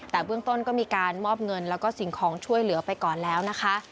แต่เบื้องต้นก็มีการมอบเงินแล้วก็สิ่งของช่วยเหลือไปก่อนแล้วนะคะ